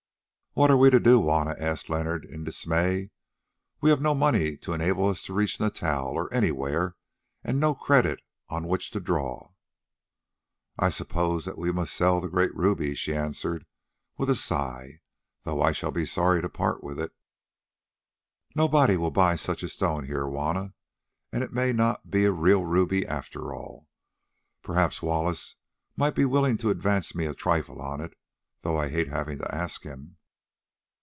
"What are we to do, Juanna?" asked Leonard in dismay. "We have no money to enable us to reach Natal or anywhere, and no credit on which to draw." "I suppose that we must sell the great ruby," she answered, with a sigh, "though I shall be sorry to part with it." "Nobody will buy such a stone here, Juanna, and it may not be a real ruby after all. Perhaps Wallace might be willing to advance me a trifle on it, though I hate having to ask him."